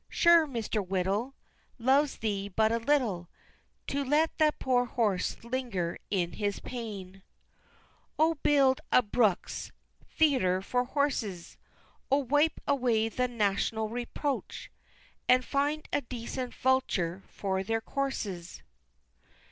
Sure Mr. Whittle Loves thee but little, To let that poor horse linger in his pane! VI. O build a Brookes's Theatre for horses! O wipe away the national reproach And find a decent Vulture for their corses!